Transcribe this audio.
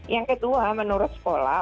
yang kedua menurut sekolah